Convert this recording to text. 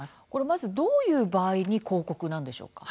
まずどういう場合に広告なんでしょうか？